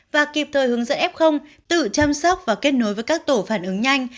và kịp thời hướng dẫn f tự chăm sóc và kết nối với các tổ phản ứng nhanh